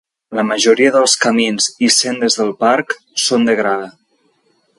La majoria dels camins i sendes del parc són de grava.